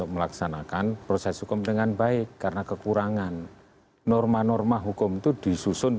melaksanakan proses hukum dengan baik karena kekurangan norma norma hukum itu disusun